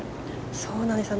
そうなんですよ。